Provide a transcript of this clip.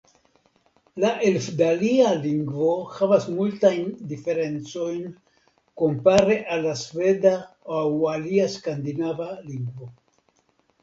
La elfdalia lingvo havas multajn diferencojn kompare al la sveda aŭ alia skandinava lingvo.